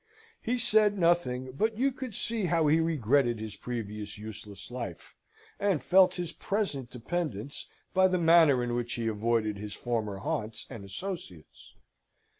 He said nothing, but you could see how he regretted his previous useless life, and felt his present dependence, by the manner in which he avoided his former haunts and associates.